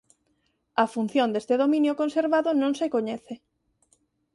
A función deste dominio conservado non se coñece.